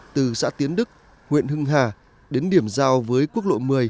từ xã tiến đức huyện hưng hà đến điểm giao với quốc lộ một mươi